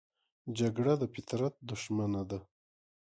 جګړه د فطرت دښمنه ده